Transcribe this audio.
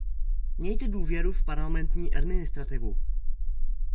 Mějte důvěru v parlamentní administrativu!